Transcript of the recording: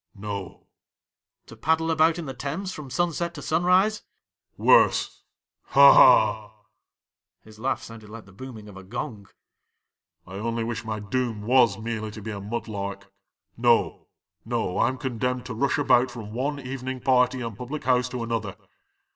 '"No." '" To paddle about in the Thames from sun set to sun rise ?"'" Worse. Ha ! ha !" (his laugh sounded like the booming of a gong). " I only wish my doom was merely to be a mud lark. No, no, I 'm condemned to rush about from one evening party and public house to another.